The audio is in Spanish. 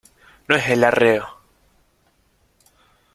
¡ no es el arreo!...